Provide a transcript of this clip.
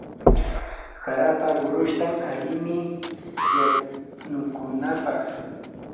harapa qurushtan alimi yanukunapaq.